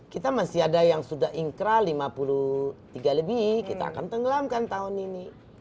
kita masih ada yang sudah inkrah lima puluh tiga lebih kita akan tenggelamkan tahun ini